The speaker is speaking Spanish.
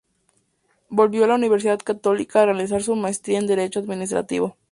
Volvió a la Universidad Católica a realizar su maestría en Derecho Administrativo.